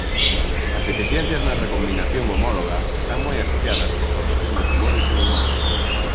As deficiencias na recombinación homóloga están moi asociadas coa formación de tumores en humanos.